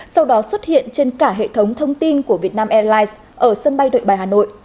sau đó xuất hiện trên cả hệ thống thông tin của vietnam airlines ở sân bay đội bài hà nội